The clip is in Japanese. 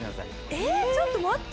ええちょっと待って。